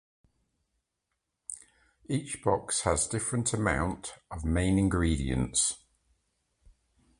Each box has different amount of main ingredients.